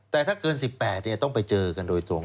แต่ถ้าเกิน๑๘ต้องไปเจอกันโดยตรง